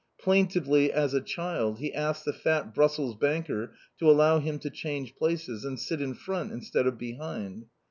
Plaintively, as a child, he asked the fat Brussels banker to allow him to change places, and sit in front, instead of behind.